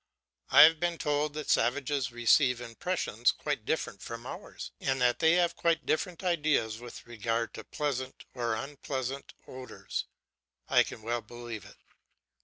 I have been told that savages receive impressions quite different from ours, and that they have quite different ideas with regard to pleasant or unpleasant odours. I can well believe it.